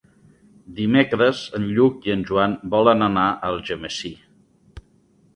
Dimecres en Lluc i en Joan volen anar a Algemesí.